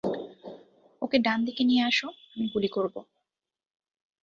ওকে ডান দিকে নিয়ে আসো আমি গুলি করব।